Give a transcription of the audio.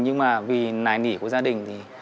nhưng mà vì nài nỉ của gia đình